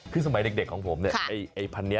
คือสมัยเด็กของผมเนี่ยไอ้พันธุ์นี้